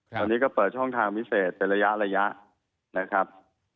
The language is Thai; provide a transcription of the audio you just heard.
ตอนนี้ก็เปิดช่องทางพิเศษเป็นระยะนะครับ